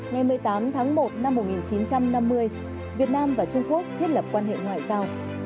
ngày một mươi tám tháng một năm một nghìn chín trăm năm mươi việt nam và trung quốc thiết lập quan hệ ngoại giao